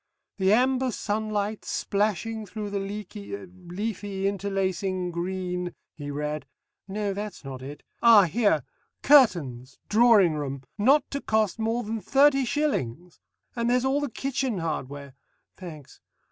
"The amber sunlight splashing through the leaky leafy interlacing green," he read. "No! that's not it. Ah, here! Curtains! Drawing room not to cost more than thirty shillings! And there's all the Kitchen Hardware! (Thanks.)